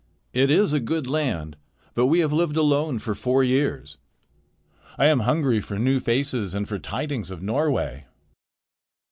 It is a good land, but we have lived alone for four years. I am hungry for new faces and for tidings of Norway."